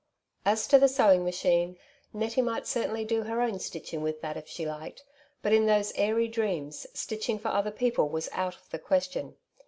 As to the sewing machine^ Nettie might certainly do her own stitching with that if she liked, but in those airy dreams stitch ing for other people was out of the question.